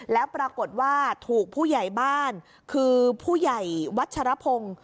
แล้วปรากฏว่าถูกผู้ใหญ่บ้านคือผู้ใหญ่วัชรพงศ์